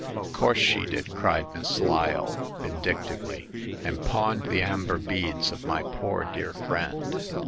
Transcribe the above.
Of course she did !" cried Miss Lyle, vin dictively— and pawned the amber beads of my poor dear friend